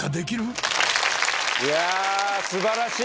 いやー、すばらしい。